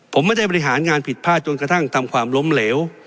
ผมไม่ได้บริหารงานผิดพลาดจนกระทั่งทำความล้มเหลว